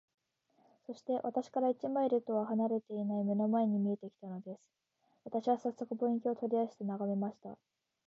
そして、私から一マイルとは離れていない眼の前に見えて来たのです。私はさっそく、望遠鏡を取り出して眺めました。